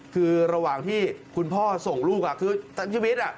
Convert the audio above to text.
คือระหว่างที่คุณพ่อส่งลูกคือตันชีวิต